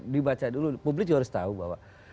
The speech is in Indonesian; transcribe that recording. dibaca dulu publik juga harus tahu bahwa